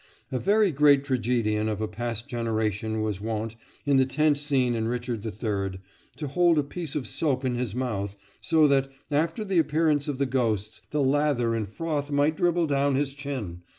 A very great tragedian of a past generation was wont, in the tent scene in "Richard III.," to hold a piece of soap in his mouth, so that, after the appearance of the ghosts, the lather and froth might dribble down his chin!